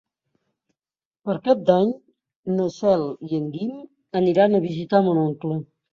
Per Cap d'Any na Cel i en Guim aniran a visitar mon oncle.